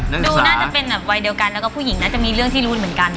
ดูน่าจะเป็นแบบวัยเดียวกันแล้วก็ผู้หญิงน่าจะมีเรื่องที่รู้เหมือนกัน